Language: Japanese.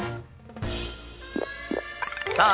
さあ